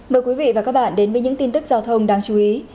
mời quý vị và các bạn đến với những tin tức giao thông đáng chú ý